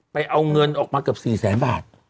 เอาเงินออกมาเกือบ๔แสนบาท